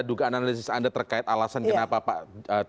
dugaan analisis anda terkait dengan pak jokowi dan pak tgb itu luar biasa ya